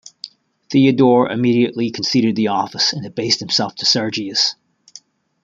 Theodore immediately conceded the office, and abased himself to Sergius.